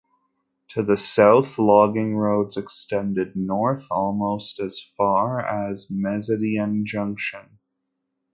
To the south, logging roads extended north almost as far as Meziadin Junction.